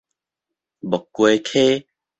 木瓜溪